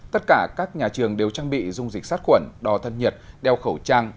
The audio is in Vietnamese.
tất cả các nhà trường đều trang bị dung dịch sát quẩn đo thân nhiệt đeo khẩu trang